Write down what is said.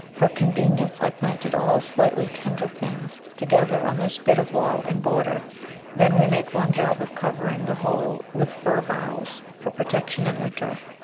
For convenience I planted all slightly tender things together on this bit of wall and border; then we make one job of covering the whole with fir boughs for protection in winter.